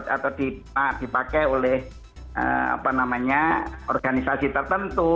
atau dipakai oleh apa namanya organisasi tertentu